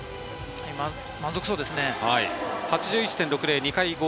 満足そうですね。